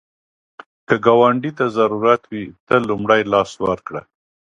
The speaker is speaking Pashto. که ګاونډي ته ضرورت وي، ته لومړی لاس ورکړه